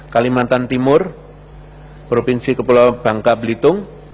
kalimantan timur provinsi kepulauan bangka belitung